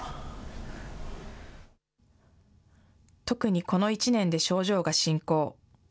特に、この１年で症状が進行。